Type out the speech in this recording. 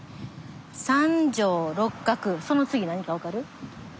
三条六角その次何か分かる？